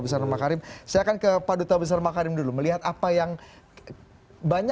jika anda lebih lanjut dengan rekomendasinya